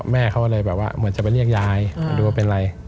แม่เขาก็เลยเหมือนจะไปเรียกยายดูว่าเป็นไร